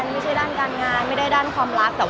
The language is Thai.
มันเป็นเรื่องน่ารักที่เวลาเจอกันเราต้องแซวอะไรอย่างเงี้ย